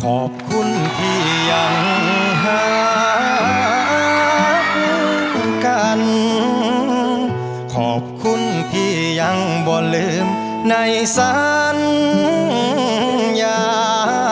ขอบคุณที่ยังหาคุณกันขอบคุณที่ยังบ่ลืมในสัญญา